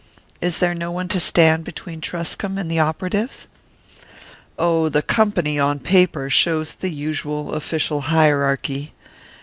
Is there no one to stand between Truscomb and the operatives?" "Oh, the company, on paper, shows the usual official hierarchy.